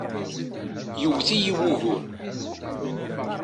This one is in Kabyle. Yewwet-iyi wugur.